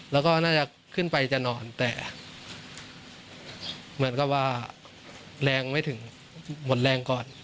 แล้วก็น่าจะขึ้นไปจะนอนแต่เหมือนกับว่าแรงไม่ถึงหมดแรงก่อน